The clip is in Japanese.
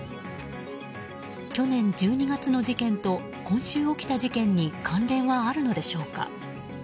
去年１２月の事件と今週起きた事件に関連はあるのでしょうか。